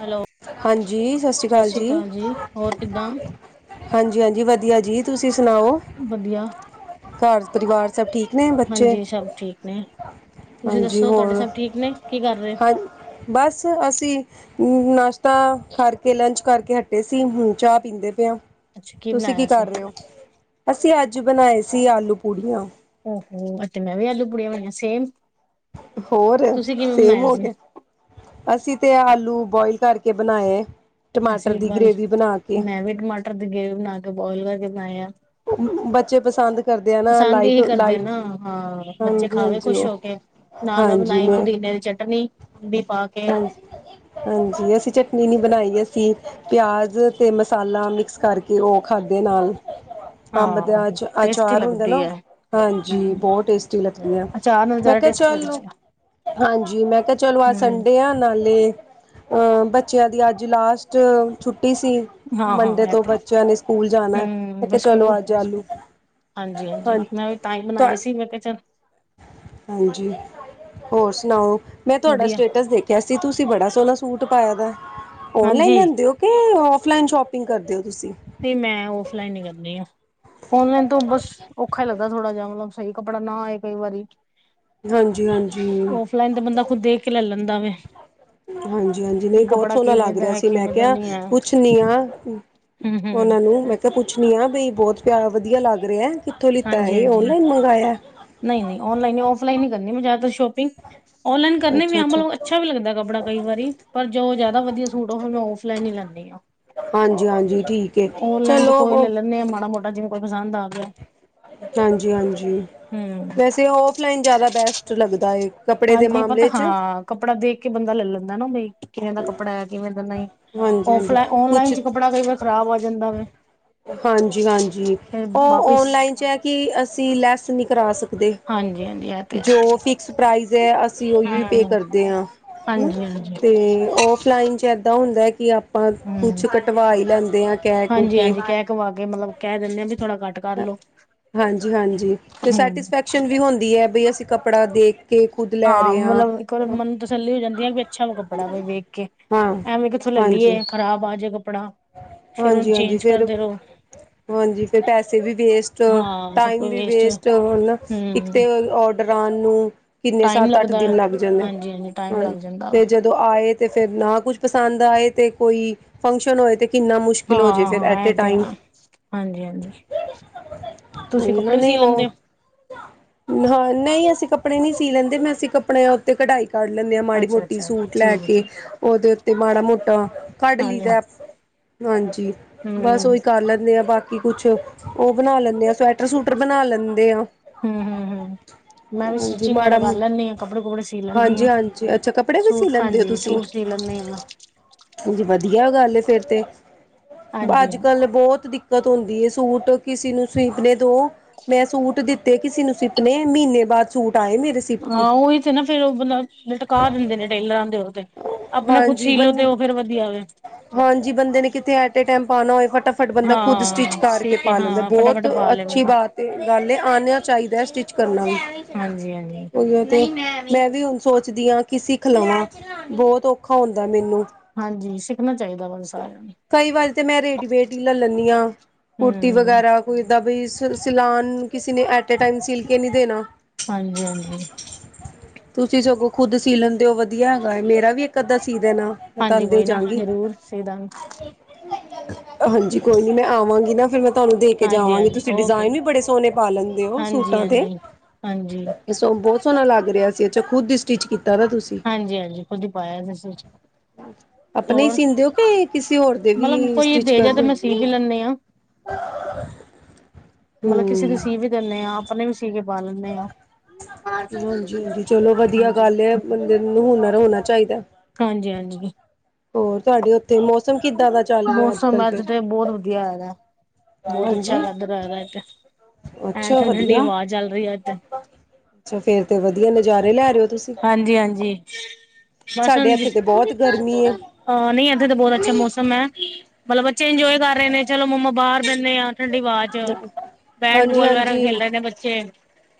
Hello, ਹਾਂਜੀ, ਸਤਿ ਸ਼੍ਰੀ ਅਕਾਲ ਜੀ। ਹਾਂਜੀ -ਹਾਂਜੀ, ਵਧੀਆ ਜੀ ਤੁਸੀਂ ਸੁਣਾਓ। ਵਧੀਆ ਘਰ ਪਰਿਵਾਰ, ਸਭ ਠੀਕ ਨੇ ਬੱਚੇ? ਹਾਂਜੀ ਸਭ ਠੀਕ ਨੇ। ਤੁਸੀਂ ਹਾਂਜੀ ਦੱਸੋ ਤੁਹਾਡੇ ਹੋਰ ਸਭ ਠੀਕ ਨੇ, ਕੀ ਕਰ ਰਹੇ? ਹਾਂ ਬਸ, ਅਸੀਂ ਨਾਸ਼ਤਾ ਕਰਕੇ, ਲੰਚ ਕਰਕੇ ਹਟੇ ਸੀ ਹੁਣ ਚਾਹ ਪੀਂਦੇ ਪਏ ਆ। ਅੱਛਾ ਤੁਸੀਂ ਕੀ ਬਣਾਇਆ ਸੀ? ਕਰ ਰਹੇ ਹੋ? ਅਸੀਂ ਅੱਜ ਬਣਾਏ ਸੀ ਆਲੂ ਪੂੜੀਆਂ ਔਹੋ ਅੱਜ ਤੇ ਮੈਂ ਵੀ, ਆਲੂ ਪੁੜੀਆਂ ਬਣਾਈਆ ਸੇਮ ਹੋਰ, ਤੁਸੀਂ ਕਿਵੇਂ ਸੇਮ ਬਣਾਇਆ ਹੋ ਸੀ? ਗਿਆ। ਅਸੀਂ ਤੇ, ਆਲੂ ਬੋਆਇਲ ਕਰਕੇ ਬਣਾਏ ਆ, ਟਮਾਟਰ ਅਸੀਂ ਦੀ ਬਲ ਗ੍ਰੇਵੀ ਬਣਾ ਕੇ ਮੈਂ ਵੀ ਟਮਾਟਰ ਦੀ ਗਰੇਵੀ ਬਣਾ ਕੇ ਬੋਆਇਲ ਕਰਕੇ ਬਣਾਏ ਆ। ਬੱਚੇ ਪਸੰਦ ਕਰਦੇ ਆ ਨਾ ਪਸੰਦ ਲਾਈਟ ਇਹੀ ਕਰਦੇ ਲਾਈਟ ਨਾ, ਹਾਂ ਬੱਚੇ ਹਾਂਜੀ ਖਾਵੇ ਹਾਂਜੀ ਖ਼ੁਸ਼ ਉਹ ਹੋ ਕੇ ਨਾਲ ਮੈਂ ਬਣਾਈ ਪੁਦੀਨੇ ਦੀ ਚਟਨੀ, ਅੰਬੀ ਪਾ ਕ ਹਾਂਜੀ। ਹਾਂਜੀ, ਅਸੀਂ ਚਟਨੀ ਨਹੀਂ ਬਣਾਈ, ਅਸੀਂ ਪਿਆਜ਼ ਅਤੇ ਮਸਾਲਾ ਮਿਕਸ ਕਰ ਕੇ, ਉਹ ਖਾਧੇ ਨਾਲ, ਅੰਬ ਦੇ ਹਾਂ, ਅਚ ਟੇਸਟੀ ਅਚਾਰ ਹੁੰਦੇ ਲੱਗਦੀ ਨਾ। ਐ। ਹਾਂਜੀ ਹੂੰ, ਬਹੁਤ ਟੇਸਟੀ ਲੱਗਦੀਆਂ ਅਚਾਰ ਨਾਲ ਮੈਂ ਜ਼ਿਆਦਾ ਕਿਹਾ ਟੇਸਟੀ ਚੱਲ, ਲੱਗਦੀ ਆ। ਹਾਂਜੀ ਮੈਂ ਕਿਹਾ ਚਲੋ, ਅੱਜ ਹੂੰ, ਸੰਡੇ ਘੁੰਮਿਆ, ਨਾਲੇ ਬੱਚਿਆਂ ਦੀ ਅੱਜ ਲਾਸਟ ਛੁੱਟੀ ਸੀ। ਹਾਂ-ਹਾਂ ਮੰਡੇ ਇਹ ਤੋਂ ਤੇ ਹੈ। ਬੱਚਿਆਂ ਨੇ, ਸਕੂਲ ਜਾਣਾ ਹੂੰ, ਮੈਂ ਬਈ ਕਿਹਾ, ਸਕੂਲ ਚਲੋ ਅੱਜ ਆਲੂ ਹਾਂਜੀ- ਹਾਂਜੀ ਮੈਂ ਵੀ ਤਾਂ ਹੀ ਤੁਹਾ ਬਣਾਏ ਸੀ ਮੈਂ ਕਿਹਾ ਚੱਲ ਹਾਂਜੀ ਹੋਰ ਸੁਣਾਓ ਮੈਂ ਤੁਹਾਡਾ ਵਧੀਆ ਸਟੇਟਸ ਦੇਖ ਅਸੀ ਤੁਸੀਂ ਬੜਾ ਸੋਹਣਾ ਸੂਟ ਪਾਇਆ ਦਾ ਔਨਲਾਈਨ ਹਾਂਜੀ ਲੈਂਦੇ ਓ। ਕਿ ਔਫਲਾਈਨ ਸ਼ੋਪਿੰਗ ਕਰਦੇ ਹੋ ਤੁਸੀਂ ਤੇ ਮੈਂ ਔਫਲਾਈਨ ਨੀ ਕਰਨੀ ਆ ਔਨਲਾਈਨ ਤੋਂ ਬਸ ਔਖਾ ਹੀ ਲੱਗਦਾ ਥੋੜਾ ਜਿਹਾ ਮਤਲਬ ਸਹੀ ਕੱਪੜਾ ਨਾ ਆਏ ਕਈ ਵਾਰੀ ਹਾਂਜੀ-ਹਾਂਜੀ। ਕਲਾਈਨ ਤੇ ਬੰਦਾ ਖੁਦ ਦੇਖ ਕੇ ਲੈ ਲੈਂਦਾ ਵੇ। ਹਾਂਜੀ-ਹਾਂਜੀ ਨਈ ਵੀ ਬੌਹਤ ਕੱਪੜਾ ਸੋਹਣਾ ਕਿਵੇਂ ਲੱਗ ਦਾ ਰੇਆ ਹੈ ਸੀ, ਮੈਂ ਕਿਵੇਂ ਦਾ ਕੇਆ ਨਹੀਂ ਪੁੱਛ ਹੈ ਪੁੱਛਣੀ ਆ ਹਮ ਹਮ ਉਹਨਾਂ ਨੂੰ ਮੈਂ ਕਿਹਾ ਪੁੱਛਣੀ ਆ ਬਈ ਬਹੁਤ ਪਿਆ ਵਧੀਆ ਲੱਗ ਰਿਹਾ। ਕਿੱਥੋਂ ਲਿਤਾ ਇਹ ਆਨਲਾਈਨ ਮੰਗਵਾਇਆ ਐ। ਨਹੀਂ-ਨਹੀਂ, ਔਨਲਾਈਨ ਨੀ, ਔਫਲਾਈਨ ਈ ਕਰਨੀ ਮੈਂ ਜ਼ਿਆਦਾਤਰ ਸ਼ੋਪਿੰਗ। ਔਨਲਾਈਨ ਕਰਨੇ ਵੀ ਬਲ, ਉਹ ਅੱਛਾ ਵੀ ਲੱਗਦਾ ਕੱਪੜਾ ਕਈ ਵਾਰੀ। ਪਰ ਜੋ ਜ਼ਿਆਦਾ ਵਧੀਆ ਸੂਟ ਉਹ ਮੈਂ ਔਫਲਾਈਨ ਈ ਲੈਨੀਂ ਆ। ਹਾਂਜੀ-ਹਾਂਜੀ, ਠੀਕ ਏ। ਚਲੋ ਉਹ ਜੇ ਪਸੰਦ ਆਗਿਆ ਹਾਂਜੀ-ਹਾਂਜੀ, ਹਮ ਵੈਸੇ ਔਫਲਾਈਨ ਜ਼ਿਆਦਾ ਬੈਸਟ ਲੱਗਦਾ ਏ। ਕੱਪੜੇ ਦੇ ਹਾਂਜੀ ਪਤਾ ਮਾਮਲੇ 'ਚ ਹਾਂ ਕੱਪੜਾ ਦੇਖ ਕੇ ਬੰਦਾ ਲੈ-ਲੈਂਦਾ ਨਾ, ਬਈ ਕਿਵੇਂ ਦਾ ਕੱਪੜਾ ਆ, ਕਿਵੇਂ ਦਾ ਨਹੀਂ ਹਾਂਜੀ ਹਾਂਜੀ ਔਫਲਾ, ਕੁਛ ਔਨਲਾਈਨ 'ਚ ਕੱਪੜਾ ਕਈ ਵਾਰ ਖ਼ਰਾਬ ਆ ਜਾਂਦਾ ਵੇ। ਹਾਂਜੀ-ਹਾਂਜੀ, ਫਿਰ ਉਹ ਵਾਪਿਸ ਓਨਲਾਈਨ 'ਚ ਐ ਕਿ ਅਸੀਂ ਲੈਸ ਨੀ ਕਰਾ ਸਕ ਦੇ, ਹਾਂਜੀ ਹਾਂਜੀ ਇਹ ਤੇ ਜੋ ਕਿ। ਸਪਰਾਈਜ਼ ਹੈ। ਅਸੀਂ ਉਹੀ ਵੀ ਪੇ ਹੂੰ ਕਰਦੇ ਹਾਂ। ਹਾਂਜੀ ਹਾਂਜੀ ਤੇ ਔਫਲਾਈਨ 'ਚ। ਇੱਦਾਂ ਹੁੰਦਾ ਕਿ, ਆਪਾਂ ਕੁਛ ਹੂੰ ਕਟਵਾ ਹੀ ਲੈਂਦੇ ਹਾਂ, ਕਹਿ ਕੁ ਕੇ। ਕੁਵਾ ਕੇ ਮਤਲਬ, ਕਹ ਦੇਣੇ ਹਾਂ। ਵੀ ਥੋੜਾੱ ਕਟ। ਹਾਂਜੀ- ਹਾਂਜੀ, ਤੇ ਹੂੰ ਸੈਟਿਸਫੈਕਸ਼ਨ ਵੀ ਹੁੰਦੀ ਹੈ, ਬਈ ਅਸੀਂ ਕੱਪੜਾ ਦੇਖ। ਐ ਖੁਦ ਲੈ ਹਾਂ ਰਹੇ ਮਤਲਬ ਇੱਕ ਵਾਰ ਮਨ ਨੂੰ ਤਸੱਲੀ ਹੋ ਜਾਂਦੀ ਐ, ਵੀ ਅੱਛਾ ਵਾ ਕੱਪੜਾ ਵੇਖ ਕੇ ਹਾਂ ਐਵੇਂ ਕਿੱਥੋਂ ਲੱ ਲੀਏ, ਖ਼ਰਾਬ ਆ ਜੇ ਕੱਪੜਾ। ਫਿਰ ਉਹਨੂੰ ਹਾਂਜੀ-ਹਾਂਜੀ ਚੇਂਜ ਫੇਰ ਕਰਦੇ ਰਹੋ ਹਾਂਜੀ ਫੇਰ ਪੈਸੇ ਵੀ ਵੇਸਟ, ਹਾਂ ਸਭ ਟਾਈਮ ਕੁਝ ਵੀ ਵੇਸਟ, ਹਨਾ ਇਕ ਤੇ, ਹੂੰ ਔਡਰਾਂ ਨੂੰ ਕਿੰਨੇ ਟਾਈਮ ਸੱਤ ਅੱਠ ਲੱਗਦਾ ਦਿਨ ਲੱਗ ਜਾਂਦੇ ਐ, ਹਾਂਜੀ ਟਾਈਮ ਹਾਂਜੀ ਲੱਗ ਜਾਂਦਾ ਵਾ ਫੇਰ ਜਦੋਂ ਤੋਂ ਆਏ ਤੇ ਫੇਰ ਨਾ ਕੁਛ ਪਸੰਦ ਆਏ ਤੇ, ਕੋਈ ਫੰਕਸ਼ਨ ਹੋਏ ਤੇ ਕਿੰਨਾ ਮੁਸ਼ਕਿਲ ਹੋ ਜੇ ਫਿਰ ਹਾਂ-ਹਾਂ ਐਟ ਏ ਐੲ ਤੇ ਟਾਈਮ ਆ, ਹਾਂਜੀ-ਹਾਂਜੀ ਤੁਸੀਂ ਉਹੀ ਨਾ ਕੱਪੜੇ ਵੀ ਸੀ ਨਹੀਂ ਲੈਂਦੇ ਉਹ ਓ ਹਾਂ ਨਈ ਅਸੀਂ ਕੱਪੜੇ ਨਈ ਸੀ ਲੈਂਦੇ, ਮੈਂ ਅਸੀਂ ਕੱਪੜਿਆਂ ਉੱਤੇ ਕਢਾਈ ਕੱਢ ਲੈਂਦੇ ਆ ਮਾੜੀ ਮੋਟੀ ਅੱਛਾ-ਅੱਛਾ ਸੂਟ ਲੈ ਠੀਕ ਹੈ ਕੇ, ਠੀਕ। ਉਹਦੇ ਉੱਤੇ ਮਾੜਾ ਮੋਟਾ ਕੱਢ ਲਈ ਹਾਂਜੀ ਦਾ ਅ ਹਾਂਜੀ, ਬਸ ਓਹੀ ਕਰ ਲੈਂਦੇ ਆ, ਬਾਕੀ ਕੀ ਕੁਛ, ਉਹ ਬਣਾ ਲੈਂਦੇ ਆ ਸਵੈਟਰ, ਸੂਟਰ ਬਣਾ ਲੈਂਦੇ ਆ ਹੂੰ-ਹੂੰ-ਹੂੰ-ਹੂੰ ਮੈਂ ਵੀ ਹਾਂਜੀ ਸਟਿਚਿੰਗ ਵਗੈਰਾ ਮਾੜਾ ਕਰ ਮੋ ਲੈਂਦੀ ਆ, ਕੱਪੜੇ, ਕੁਪੜੇ ਸੀ ਲੈਂਦੀ ਹਾਂਜੀ ਆ, ਹਾਂਜੀ ਅੱਛਾ ਕੱਪੜੇ ਵੀ ਸੀ ਸੂਟ ਲੈਂਦੇ ਹਾਂਜੀ ਸੂਟ ਸੀਅ ਲੰਨੇ ਆ ਉਂਜ ਵਦੀਆ ਗੱਲ ਏ ਫੇਰ ਤੇ। ਹਾਂਜੀ-ਹਾਂਜੀ ਅੱਜ-ਕੱਲ ਬੋਤ ਦਿੱਕਤ ਹੁੰਦੀ ਏ ਸੂਟ ਕਿਸੀ ਨੂੰ ਸੀਪਨੇ ਦੋ ਮੈਂ ਸੂਟ ਦਿੱਤੇ ਕਿਸੇ ਨੂੰ ਸਿਪਨੇ, ਮਹੀਨੇ ਬਾਅਦ ਸੂਟ ਆਏ ਮੇਰੇ ਸਿਪ ਕੇ ਹਾਂ ਉਹੀ ਤੇ ਨਾ ਫੇਰ ਉਹ ਬੰਦਾ ਲਟਕਾ ਦਿੰਦੇ ਨੇ ਟੇਲਰਾਂ ਦੇ ਉਹਦੇ ਆਪਣਾ ਖੁਦ ਹਾਂਜੀ ਸੀ ਲੋੋ ਬੰ ਤੇ, ਉਹ ਫੇਰ ਵਧੀਆ ਵੇ ਹਾਂਜੀ ਬੰਦੇ ਨੇ ਕਿਥੇ ਐਟੇ ਏ ਟੈਮ ਪਾਣਾ ਹੋਏ, ਫਟਾ ਫਟ ਬੰਦਾ ਖੁਦ ਸਟਿਚ ਹਾਂ ਸੀ ਕਰਕੇ ਕੇ ਪਾ ਲੈਂਦਾ ਹਾਂ ਫਟਾਫਟ ਬੋਤ ਪਾ ਲਏ ਅੱਛੀ ਬੰਦਾ। ਬਾਤ ਤੇ ਗੱਲ ਐ, ਆਣਾ ਚਾਹੀਦਾ ਸਟਿਚ ਕਰਨਾ ਵੀ, ਹਾਂਜੀ-ਹਾਂਜੀ, ਓਹੀ ਓ ਤੇ ਮੈਂ ਵੀ ਹੁਨ ਸੋਚਦੀ ਆਂ ਕੀ ਸਿੱਖ ਲਵਾਂ, ਬੋਤ ਔਖਾ ਹੁੰਦਾ ਮੇਨੂੰ। ਹਾਂਜੀ ਸਿੱਖਨਾ ਚਾਈਦਾ ਵਾ ਸਾਰੇਆਂ ਨੂੰ। ਕਈ ਵਾਰੀ ਤੇ ਮੈਂ ਰੇਡੀਮੇਡ ਈ ਲੱ ਲੰਨੀ ਆਂ, ਕੁੜਤੀ ਵ ਹੂੰ ਵਗੈਰਾ ਕੋਈ ਏਦਾਂ ਬਈ ਸਿ ਸਿਲਾਨ ਕਿਸੀ ਨੇ ਐਟ ਏ ਟਾਈਮ ਸਿਲ ਕੇ ਨੀ ਦੇਨਾ। ਹਾਂਜੀ-ਹਾਂਜੀ। ਤੁਸੀਂ ਸਗੋਂ ਖੁੱਦ ਸੀ ਲੈਂਦੇ ਓ ਵਦੀਆ ਹੈਗਾ ਐ, ਮੇਰਾ ਵੀ ਇੱਕ ਅੱਦਾ ਸੀ ਦੇਨਾ। ਮੈਂ ਹਾਂਜੀ ਤਾਨੂੰ ਦੇ ਕੋਈ ਨਾ ਜਾਂਗੀ [inaudible] ਹਾਂਜੀ ਕੋਈ ਨੀ ਮੈਂ ਆਵਾਂਗੀ ਨਾ ਫਿਰ ਮੈਂ ਤੁਹਾਨੂੰ ਦੇ ਕੇ ਹਾਂਜੀ ਜਾਵਾਂਗੇ ਹਾਂਜੀ ਤੁਸੀਂ ਓਕੇ ਡਿਜ਼ਾਇਨ ਜੀ ਵੀ ਬੜੇ ਸੋਹਣੇ ਪਾ ਲੈਂਦੇ ਹੋ ਹਾਂਜੀ ਸੂਟਾਂ ਹਾਂਜੀ ਤੇ ਹਾਂਜੀ ਸੋ ਬਹੁਤ ਸੋਹਣਾ ਲੱਗ ਰਿਹਾ ਸੀ ਅੱਛਾ ਖੁਦ ਹੀ ਸਟਿਚ ਕੀਤਾ ਤੁਸੀਂ ਹਾਂਜੀ- ਹਾਂਜੀ ਖੁਦ ਹੀ ਪਾਇਆ ਸੀ ਤੇਹੋਰ ਇਹ ਕਿਸੇ ਹੋਰ ਦੇ ਵੀ ਸਟਿਚ ਤੇ ਕਰਦੇ ਮੈਂ ਸੀ ਵੀ ਲੈਂਦੇ ਹਾਂ ਮਤਲਬ ਕਿਸੇ ਦੇ ਹੂੰ। ਸੀ ਵੀ ਦਿੰਨਦੇ ਹਾਂ ਆਪਣੇ ਵੀ ਸੀ ਕੇ ਪਾ ਲੈਂਦੇ ਹਾਂ। ਹਾਂਜੀ- ਹਾਂਜੀ ਚਲੋ ਵਧੀਆ ਹਾਂਜੀ ਗੱਲ ਹੈ ਬੰਦੇ ਨੂੰ ਹੁਨਰ ਹੋਣਾ ਚਾਹੀਦਾ। ਹਾਂਜੀ- ਹਾਂਜੀ ਹੋਰ ਤੁਹਾਡੇ ਉੱਥੇ ਮੌਸਮ ਕਿੱਦਾਂ ਦਾ ਚੱਲ ਰਿਹਾ ਅੱਜ ਕਲ ਫਿਰ ਵਧਿਆ ਹੈਗਾ ਹੈ। ਬਹੁਤ ਅੱਛਾ ਹਾਂਜੀ ਲੱਗ ਰਹਾ ਇੱਥੇ ਐਂ ਅੱਛਾ ਠੰਡੀ- ਠੰਡੀ ਵਧੀਆ ਹਵਾ ਚੱਲ ਰਹੀ ਹੈ ਇੱਥੇ ਅੱਛਾ ਫੇਰ ਤੇ ਵਧੀਆ ਨਜ਼ਾਰੇ ਲੈ ਰਹੇ ਹੋ ਤੁਸੀਂ ਹਾਂਜੀ- ਹਾਂਜੀ ਬਸ ਹੁਣ ਸਾਡੇ ਇੱਥੇ ਤੇ ਬਹੁਤ ਗਰਮੀ ਏ ਹਾਂ ਨਹੀਂ ਇੱਥੇ ਤਾਂ ਬਹੁਤ ਅੱਛਾ ਮੌਸਮ ਹੈ ਮਤਲਬ ਬੱਚੇ ਇੰਜੋਏ ਕਰ ਰਹੇ ਨੇ ਚਲੋ ਮੰਮਾ ਬਾਹਰ ਬੈਨੇ ਆ ਠੰਡੀ ਵਾਹ 'ਚ ਹਾਂਜੀ ਬੈਟਬੋਲ ਵਗੈਰਾ ਹਾਂਜੀ ਖੇਲ ਰਹੇ ਨੇ ਬੱਚੇ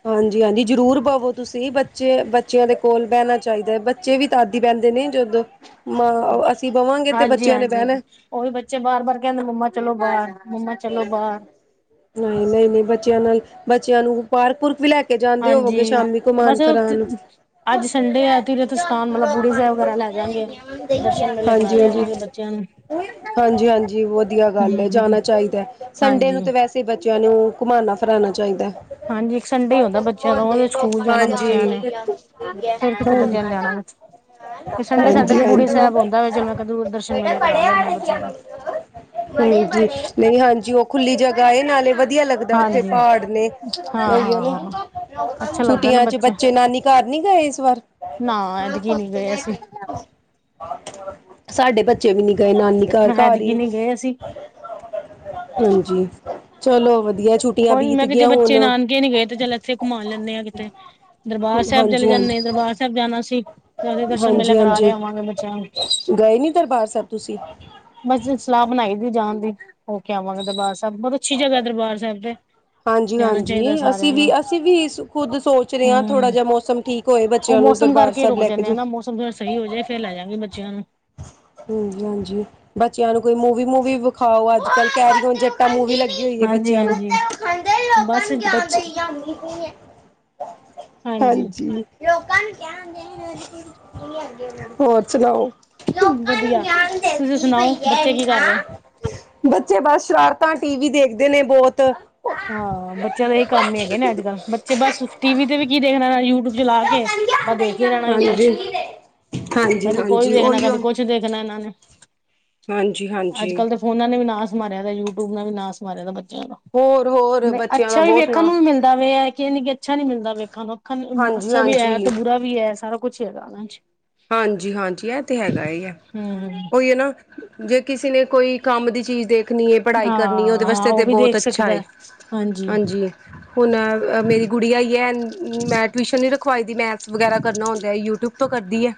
ਹਾਂਜੀ- ਹਾਂਜੀ ਜ਼ਰੂਰ ਬਵੋ ਤੁਸੀਂ ਬੱਚੇ ਬੱਚਿਆਂ ਦੇ ਕੋਲ ਬਹਿਣਾ ਚਾਹੀਦਾ। ਬੱਚੇ ਵੀ ਤਦ ਹੀ ਬੈਨ ਦੇ ਨੇ ਜਦੋਂ ਮਾਂ ਅਸੀਂ ਬਵਾਂਗੇ ਤੇ ਹਾਂਜੀ ਬੱਚਿਆਂ ਨੇ ਹਾਂਜੀ ਬਹਿਣਾ ਉਹੀ ਬੱਚੇ ਬਾਰ- ਬਾਰ ਕਹਿੰਦੇ ਮੰਮਾ ਚਲੋ ਬਾਹਰ, ਮੰਮਾ ਚਲੋ ਬਾਹਰ ਨਈ ਨਈ ਬੱਚਿਆਂ ਨਾਲ ਬੱਚਿਆਂ ਨੂੰ ਪਾਰਕ ਪੂਰਕ ਵੀ ਲੈ ਕੇ ਕੇ ਜਾਂਦੇ ਹਾਂਜੀ ਹੋਵੋਗੇ ਸ਼ਾਮੀ ਬਸ ਘੁਮਾਨ ਫਰਾਨ ਅੱਜ ਸੰਡੇ ਆ ਤੀਰਥ ਸਥਾਨ ਮਤਲਬ ਬੂੜੀ ਸਾਹਿਬ ਵਗੈਰਾ ਲੈ ਜਾਗੇ ਦਰਸ਼ਨ ਮੇਲੇ ਕਰਾ ਹਾਂਜੀ-ਹਾਂਜੀ- ਲਿਆਵਾਂਗੇ ਬੱਚਿਆਂ ਨੂੰ ਹਾਂਜੀ- ਹਾਂਜੀ ਵਧੀਆ ਗੱਲ ਹੈ ਹਮ ਜਾਣਾ ਚਾਹੀਦਾ ਸੰਡੇ ਨੂੰ ਹਾਂਜੀ ਤੇ ਵੈਸੇ ਹੀ ਬੱਚਿਆਂ ਨੂੰ ਘੁਮਾਨਣਾ ਫਰਾਣਾ ਚਾਹੀਦਾ ਹੈ। ਹਾਂਜੀ ਇੱਕ ਸੰਡੇ ਹੀ ਹੁੰਦਾ ਬੱਚਿਆਂ ਦਾ ਉਹਦੇ ਸਕੂਲ ਜਾਣਾ ਬੱਚਿਆਂ ਹਾਂਜੀ ਨੇ ਫਿਰ ਕਿਤੇ ਬੱਚਿਆਂ ਨੂੰ ਜਾਣਾ ਤੇ ਸੰਡੇ ਸਾਡੇ ਤੇ ਬੂੜੀ ਸਾਹਿਬ ਹੁੰਦਾ ਹੋਵੇ ਚਲ ਮੈਂ ਕਿਹਾ ਦਰਸ਼ਨ ਮੇਲੇ ਕਰਾ ਲੈਂਦੇ ਆ ਬੱਚਿਆਂ ਨੂੰ [unintelligible] [unintelligible] [unintelligible] ਹਾਂਜੀ ਨਹੀਂ ਹਾਂਜੀ ਉਹ ਖੁੱਲੀ ਜਗਾ ਹੈ ਨਾਲੇ ਵਧੀ ਵਧੀਆ ਲੱਗਦਾ ਉਥੇ ਹਾਂਜੀ ਪਹਾੜ ਨੇ ਹਾਂ ਓਹੀ ਹਾਂ ਨਾ ਹਾਂ ਅੱਛਾ [inaudible] ਲੱਗਦਾ ਨਾ ਛੁੱਟੀਆਂ 'ਚ ਬਚੇ ਬੱਚੇ ਬਚੇ ਨਾਨੀ ਘਰ ਨੀ ਗਏ ਇਸ ਵਾਰ ਨਾ ਐਤਕੀ ਨੀ ਗਏ ਅਸੀਂ [unintelligible] ਸਾਡੇ ਬੱਚੇ ਵੀ ਨੀ ਗਏ ਨਾਨੀ ਘਾਰ-ਘਾਰ ਐਤਕੀ ਹੀ ਨੀ ਗਏ ਅਸੀਂ ਹਾਂਜੀ ਚਲੋ ਵਧੀਆ ਛੁ ਕੋਈ ਨ ਮੈਂ ਕਿਹਾ ਜੇ ਬੱਚੇ ਨਾਨਕੇ ਨੀ ਗਏ ਤੇ ਚੱਲ ਇੱਥੇ ਘੁਮਾ ਲੈਂਦੇ ਆ ਕਿਤੇ ਦਰਬਾਰ ਸਾਹਿਬ ਚਲੇ ਹਾਂਜੀ ਜਾਂਦੇ ਹਾਂਜੀ ਦਰਬਾਰ ਦਰਬਾਰ ਸਾਹਿਬ ਜਾਣਾ ਸੀ ਉਹਦੇ ਦਰਸ਼ਨ ਮੇਲਾਂ ਹਾਂਜੀ ਕਰਾ ਹਾਂਜੀ ਲਿਆਵਾਂ ਬੱਚਿਆਂ ਨੂੰ ਗਏ ਨੀ ਦਰਬਾਰ ਸਾਹਿਬ ਤੁਸੀਂ ਅੰਬਰਸਰ ਸਲਾਹ ਬਣਾਈ ਦੀ ਜਾਣ ਦੀ ਹੋ ਕੇ ਆਵਾਂਗੇ ਦਰਬਾਰ ਸਾਹਿਬ ਬਹੁਤ ਅੱਛੀ ਜਗਾ ਹੈ ਦਰਬਾਰ ਸਾਹਿਬ ਤੇ ਜਾਣਾ ਹਾਂਜੀ-ਹਾਂਜੀ ਚਾਹੀਦਾ ਅਸੀਂ ਸਾਰਿਆਂ ਵੀ ਨੂੰ ਅਸੀਂ ਵੀ ਖੁਦ ਸੋਚ ਰਹੇ ਹਾਂ ਥੋੜ੍ਹਾ ਹੂੰ। ਜਿਹਾ ਮੌਸਮ ਠੀਕ ਕੋਏ ਉਹ ਬੱਚਿਆਂ ਨੂੰ ਮੌਸਮ ਦਰਬਾਰ ਕਰਕੇ ਸਾਹਿਬ ਰੁਕ ਲੈਕੇ ਜਾਂਦੇ ਆ ਜ ਨਾ ਮੌਸਮ ਥੋੜਾ ਸਹੀ ਹੋ ਜਾਏ ਫੇਰ ਲੈ ਜਾਗੇ ਬੱਚਿਆਂ ਨੂੰ ਹਾਂਜੀ ਬੱਚਿਆਂ ਨੂੰ ਕੋਈ ਮੂਵੀ ਮੂਵੀ ਵਿਖਾਓ [inaudible] ਅੱਜ ਕੱਲ ਕਹਿ ਰਹੇ ਹੋ ਜੱਟਾਂ ਮੂਵੀ ਲੱਗੀ। ਹਾਂਜੀ-ਹਾਂਜੀ। ਬਸ [unintelligible] ਹਾਂਜੀ [unintelligible] ਲੋਕਾਂ ਨੂੰ ਵਧੀਆ ਗਿਆਨ ਤੁਸੀਂ ਦਿੰਦੀ ਪਈ ਸੁਣਾਓ ਹੈ ਬੱਚੇ ਕੀ ਰੀਨਾ। ਕਰ ਰਹੇ। ਬੱਚੇ ਬਸ ਸ਼ਰਾਰਤਾਂ ਟੀ ਵੀ ਦੇਖਦੇ ਨੇ ਬਹੁਤ ਹਾਂ ਬੱਚਿਆਂ ਦਾ ਇਹ ਕੰਮ ਹੀ ਹੈਗੇ ਨੇ ਅੱਜ ਕੱਲ ਬੱਚੇ ਬਸ ਟੀ ਵੀ ਤੇ ਵੀ ਕੀ ਦੇਖਣਾ ਯੂ ਯੂਟਿਊਬ ਚਲਾ ਕੇ ਬਸ ਦੇਖਦੇ ਰਹਿਣਾ ਹੀ ਹਾਂਜੀ ਕੁਛ, ਹਾਂਜੀ ਕਦੇ ਕੋਈ ਹਾਂਜੀ ਦੇਖਣਾ ਉਹੀਓ ਕਦੇ ਕੁਛ ਦੇਖਣਾ ਐਨਾ ਨੇ ਹਾਂਜੀ, ਹਾਂਜੀ ਫੋਨਾ ਨੇ ਵੀ ਨਾਸ ਮਾਰਿਆ ਦਾ ਯੂਟਿਊਬ ਨਾਲ ਵੀ ਨਾਸ ਮਾਰਿਆ ਦਾ ਬੱਚਿਆਂ ਦਾ ਹੋਰ- ਹੋਰ ਨਈ ਬੱਚਿਆਂ ਦਾ ਅੱਛਾ ਵੀ ਬਹੁਤ ਵੇਖਣ ਨਾ ਨੂੰ ਵੀ ਮਿਲਦਾ ਕਿ ਇਹ ਨੀ ਕਿ ਅੱਛਾ ਨੀ ਮਿਲਦਾ ਵੇਖਣ ਨੂੰ ਅੱਖਾਂ ਹਾਂਜੀ ਅੱਛਾ ਵੀ ਹੈ ਹਾਂਜੀ ਤੇ ਬੁਰਾ ਵੀ ਵੀ ਹੈ ਸਾਰਾ ਕੁਛ ਹੈਗਾ ਉਹਨਾਂ ਚ ਹਾਂਜੀ, ਹਾਂਜੀ ਇਹ ਤੇ ਹੈਗਾ ਹੈ ਹਮ ਉਹੀ ਹੈ ਨਾ ਜੇ ਕਿਸੇ ਨੇ ਕੋਈ ਕੰਮ ਦੀ ਚੀਜ਼ ਦੇਖਣੀ ਏ, ਪੜ੍ਹਾਈ ਹਾਂ ਕਰਨੀ ਏ ਉਹਦੇ ਹਾਂ ਵਾਸਤੇ ਉਹ ਤੇ ਵੀ ਬਹੁਤ ਦੇਖ ਅੱਛਾ ਸਕਦਾ ਹੈ। ਹਾਂਜੀ ਹਾਂਜੀ, ਹੁਣ ਮੇਰੀ ਗੁੜੀਆ ਐ ਮੈਂ ਟਿਊਸ਼ਨ ਨਹੀਂ ਰਖਵਾਈ ਦੀ ਮੈਥਸ ਵਗੈਰਾ ਕਰਨਾ ਹੁੰਦਾ ਯੂਟੀਿਊਬ ਤੋਂ ਕਰਦੀ ਹੈ।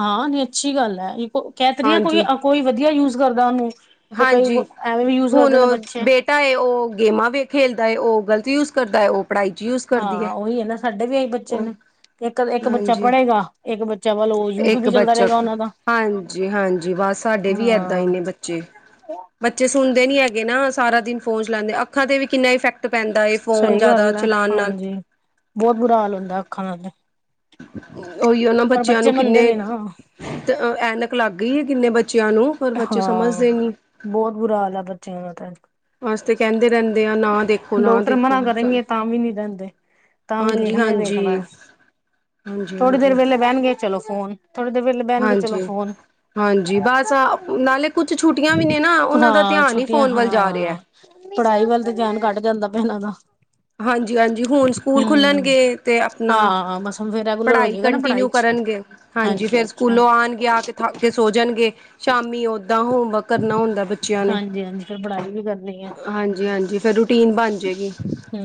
ਹਾਂ ਨੀ ਅੱਛੀ ਗੱਲ ਹੈ। ਕਹਿ ਤੇ ਰਈਆ ਕੋਈ, ਹਾਂਜੀ ਕੋਈ ਵਧੀਆ ਯੂਜ ਕਰਦਾ ਉਹਨੂੰ ਤੇ ਕਈ ਐਵੇਂ ਵੀ ਯੂਜ ਕਰਦੇ ਨੇ ਬੱਚੇ ਟਾਏ ਉਹ ਗੇਮਾਂ ਵੀ ਖੇਲਦਾ ਹੈ। ਉਹ ਗ਼ਲਤ ਯੂਜ ਕਰਦਾ ਹੈ ਉਹ ਪੜ੍ਹਾਈ ਚ ਯੂਜ ਕਰਦੀ ਹਾਂ ਹੈ ਉਹੀ ਨਾ ਸਾਡੇ ਵੀ ਆਈ ਬੱਚੇ ਉਹ ਨੇ ਇੱਕ, ਇੱਕ ਬੱਚਾ ਹਾਂਜੀ ਪੜ੍ਹੇਗਾ ਇੱਕ ਬੱਚਾ ਵੱਲ ਉਹ ਯੂਟਿਊਬ ਵੀ ਚੱਲਦਾ ਰਹੇਗਾ ਉਹਨਾਂ ਦਾ ਜੀ ਹਾਂਜੀ ਬਸ ਸਾਡੇ ਵੀ ਏਦਾਂ ਹਾਂ ਇੰਨੇ ਬੱਚੇ ਬੱਚੇ ਸੁਣਦੇ ਨੀ ਹੈਗੇ ਨਾ ਸਾਰਾ ਦਿਨ ਫੋਨ ਚਲਾਉਦੇ ਅੱਖਾਂ ਤੇ ਵੀ ਕਿੰਨਾ ਇਫੈਕਟ ਪੈਂਦਾ ਏ ਫੋਨ ਸਹੀ ਜ਼ਿਆਦਾ ਗੱਲ ਹੈ ਚਲਾਉਣ ਨਾਲ ਹਾਂਜੀ ਬਹੁਤ ਬੁਰਾ ਹਾਲ ਹੁੰਦਾ ਅੱਖਾਂ ਨਾਲ ਉਹੀ ਉਹਨਾਂ ਪਰ ਬੱਚਿਆਂ ਬੱਚੇ ਨੂੰ ਮੰਨਦੇ ਕਿੰਨੇ ਨੀ ਨਾ ਤੇ ਐਨਕ ਲੱਗ ਗਈ ਹੈ ਕਿੰਨੇ ਬੱਚਿਆਂ ਨੂੰ ਪਰ ਬੱਚੇ ਹਾਂ ਸਮਝਦੇ ਨੀ ਬਹੁਤ ਬੁਰਾ ਹਾਲ ਆ ਬੱਚਿਆਂ ਦਾ ਤਾਂ ਅਜ ਤੇ ਕਹਿੰਦੇ ਰਹਿੰਦੇ ਆ ਨਾ ਦੇਖੋ ਨਾ ਡਾਕਟਰ ਦੇਖੋ ਮਨਾ ਕਰੇਗੇ ਤਾਂ ਵੀ ਨਹੀਂ ਰਹਿੰਦੇ਼। ਤਾਂ ਵੀ ਹਾਂਜੀ ਦੇਖਣਾ ਹੀ ਦੇਖਣਾ ਹਾਂਜੀ ਹਾਂਜੀ ਥੋੜ੍ਹੀ ਦੇਰ ਹਾਂਜੀ ਵੇਲੇ ਬਹਿਣਗੇ। ਚਲੋ ਫੋਨ ਥੋੜੇ ਦੇਰ ਵੇਲੇ ਬਹਿਣਗੇ ਚਲੋ ਹਾਂਜੀ, ਫੋਨ ਹਾਂਜੀ ਬਸ ਨਾਲੇ ਕੁਛ ਛੁੱਟੀਆਂ ਵੀ ਨੇ ਨਾ, ਉਹਨਾਂ ਦਾ ਹਾਂ ਧਿਆਨ ਹੀ ਛੁੱਟੀਆਂ ਫੋਨ ਵੱਲ ਜਾ ਰਿਹਾ। ਹਾਂ ਪੜ੍ਹਾਈ ਵੱਲ ਤੇ ਧਿਆਨ ਘਟ ਜਾਂਦਾ ਪਇਆ ਇਹਨਾਂ ਦਾ ਹਾਂਜੀ, ਹਾਂਜੀ ਹੁਣ ਸਕੂਲ ਹਮ ਖੁੱਲਣਗੇ ਤੇ ਆਪਣਾ ਹਾਂ ਬਸ ਹੁਣ ਫਿਰ ਰੈਗੂਲਰ ਹੋ ਪੜ੍ਹਾਈ ਜਾਏਗਾ ਨਾ ਪੜ੍ਹਾਈ ਕੰਟੀਨਿਊ ਚ ਕਰਨਗੇ। ਹਾਂਜੀ ਫੇਰ ਸਕੂਲੋਂ ਆਉਣਗੇ ਆ ਕੇ ਥਕ ਕੇ ਸੋ ਜਾਣਗੇ ਸ਼ਾਮੀ ਓਦਾਂ ਹੋਮਵਰਕ ਕਰਨਾ ਹੁੰਦਾ ਬੱਚਿਆਂ ਨੇ ਹਾਂਜੀ ਫਿਰ ਪੜ੍ਹਾਈ ਵੀ ਕਰਨੀ ਹੈ ਹਾਂਜੀ, ਹਾਂਜੀ ਫਿਰ ਰੂਟੀਨ ਬਣ ਜਾਏਗੀ।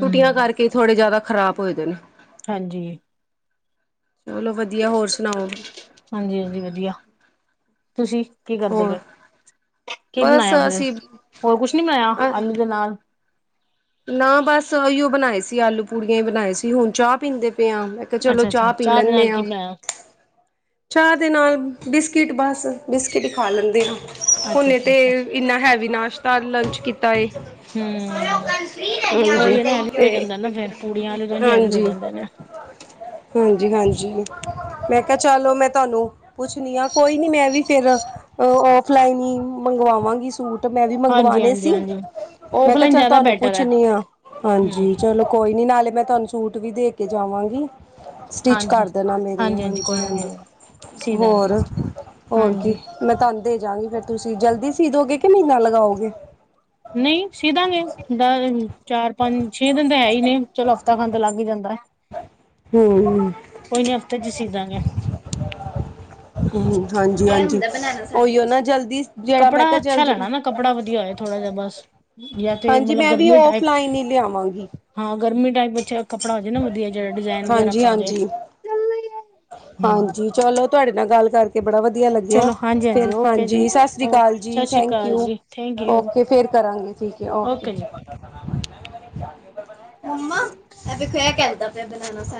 ਛੁੱਟੀਆਂ ਕਰਕੇ ਥੋੜੇ ਜਿਆਦਾ ਖ਼ਰਾਬ ਹੋਏਦੇ ਨੇ ਹਾਂਜੀ। ਚਲੋ ਵਧੀਆ ਹੋਰ ਸੁਣਾਓ? ਹਾਂਜੀ, ਹਾਂਜੀ ਵਧੀਆ ਤੁਸੀਂ ਕੀ ਕਰਦੇ ਹੋਰ ਪਏ, ਕੀ ਬਸ ਬਣਾਇਆ ਫਿਰ, ਅਸੀਂ ਹੋਰ ਕੁਛ ਨੀ ਬਣਾਇਆ ਆਲੂ ਦੇ ਨਾਲ ਨਾ ਬਸ ਇਹੀਓ ਬਣਾਏ ਸੀ ਆਲੂ ਪੂੜੀਆਂ ਹੀ ਬਣਾਏ ਸੀ। ਹੁਣ ਚਾਹ ਪੀਂਦੇ ਪਏ ਆ ਮੈਂ ਚਲੋ ਅੱਛਾ ਅੱਛਾ ਚਾਹ ਪੀ ਦੇ ਲੈਂਦੇ ਨਾਲ ਕੀ ਆ। ਬਣਾਇਆ ਚਾਹ ਦੇ ਨਾਲ ਬਿਸਕਿਟ ਬਸ ਬਿਸਕਿਟ ਹੀ ਖਾ ਲੈਂਦੇ ਹਾਂ ਅੱਛਾ ਹੁਨੇ ਅੱਛਾ ਤੇ ਅੱਛਾ ਇੰਨਾ ਹੈਵੀ ਨਾਸ਼ਤਾ ਲੰਚ ਕੀਤਾ ਏ ਹੁ ਹਾਂਜੀ ਉਹੀ ਹੈ ਨਾ ਇਹ ਹੈਵੀ ਹੋ ਤੇ ਜਾਂਦਾ ਨਾ ਫਿਰ ਪੂੜੀਆਂ ਆਲੂ ਉੰਜ ਹੈਵੀ ਹੋ ਹਾਂਜੀ ਜਾਂਦਾ ਨਾ ਹਾਂਜੀ, ਹਾਂਜੀ ਮੈਂ ਕਿਹਾ ਚਲੋ ਮੈਂ ਤੁਹਾਨੂੰ ਪੁੱਛਣੀ ਆ ਕੋਈ ਨੀ ਮੈਂ ਵੀ ਫਿਰ ਔਫਲਾਈਨ ਹੀ ਮੰਗਵਾਵਾਂਗੀ। ਸੂਟ ਮੈਂ ਵੀ ਹਾਂਜੀ ਮੰਗਵਾਣੇ ਹਾਂਜੀ ਸੀ ਹਾਂਜੀ ਮੈਂ ਕਿਹਾ ਔਫਲਾਈਨ ਚੱਲ ਜ਼ਿਆਦਾ ਤੁਹਾਨੂੰ ਬੈਟਰ ਹੈ ਪੁੱਛਣੀ ਆ, ਹਮ ਹਾਂਜੀ। ਚਲੋ ਕੋਈ ਨਹੀਂ ਨਾਲੇ ਮੈਂ ਤੁਹਾਨੂੰ ਸੂਟ ਵੀ ਦੇ ਕੇ ਜਾਵਾਂਗੀ, ਸਟਿੱਚ ਹਾਂਜੀ ਕਰ ਦੇਣਾ ਮੇਰੇ ਹਾਂਜੀ। ਕੋਈ ਨਾ ਹਾਂਜੀ ਦੇ ਸੀ ਦਾਂਗੇ ਹੋਰ, ਹੋਰ ਹਾਂਜੀ ਕੀ ਮੈਂ ਤੁਹਾਨੂੰ ਦੇ ਜਾਵਗੀ, ਫਿਰ ਤੁਸੀਂ ਜਲਦੀ ਸੀ ਦੋਗੇ ਕਿ ਮਹੀਨਾ ਲਗਾਓਗੇ। ਨਹੀਂ ਸੀਦਾਂਗੇ ਦ ਚਾਰ, ਪੰਜ, ਛੇ ਦਿਨ ਤਾਂ ਹੈ ਹੀ ਨੇ ਚਲੋ ਹਫ਼ਤਾ ਖੰਨ ਲੱਗ ਹੀ ਜਾਂਦਾ। ਹਮ ਕੋਈ ਨੀ ਹਫ਼ਤੇ ਚ ਸੀਦਾਂਗੇ। ਹਾਂਜੀ, ਹਾਂਜੀ ਉਈਓ ਨਾ ਜਲਦੀ ਜਿਹੜਾ ਮੈਂ ਕੱਪੜਾ ਕਿਹਾ ਜਲ ਅੱਛਾ ਲੈਣਾ ਨਾ ਕੱਪੜਾ ਵਧੀਆ ਹੋਏ ਥੋੜਾ ਜਿਹਾ ਬਸ ਜਾਂ ਤੇ ਹਾਂਜੀ ਮਤਲਬ ਮੈਂ ਵੀ ਗਰਮੀ ਟਾਈਪ ਫਲਾਈਨ ਹੀ ਲਿਆ। ਆਗੀ। ਹਾਂ ਗਰਮੀ ਟਾਈਮ ਵਿੱਚ ਕੱਪੜਾ ਹੋ ਜਾਏ ਨ ਵਧੀਆ ਜਿਹੜਾ ਡਿਜ਼ਾਇਨ ਵਗੈਰਾ ਹਾਂਜੀ ਪੈ ਜਾਏ। ਹਾਂਜੀ ਹੂੰ ਹਾਂਜੀ, ਚਲੋ ਤੁਹਾਡੇ ਨਾਲ ਗੱਲ ਕਰਕੇ ਬੜਾ ਵਧੀਆ ਲੱਗਿਆ। ਚਲੋ ਹਾਂਜੀ ਫੇਰ ਓਕੇ ਜੀ ਹਾਂਜੀ ਸਤਿ ਸ੍ਰੀ ਅਕਾਲ ਓਕੇ ਜੀ, ਸਤਿ ਸ਼੍ਰੀ ਥੈਂਕ ਅਕਾਲ ਯੂ ਜੀ ਥੈਂਕ ਯੂ ਓਕੇ ਫੇਰ ਕਰਾਂਗੇ। ਠੀਕ ਹੈ ਓਕੇ। ਮੰਮਾ ਇਹ ਵੇਖੋਆ ਕਹਿੰਦਾ ਪਿਆ ਬਣਾਣਾ ਸ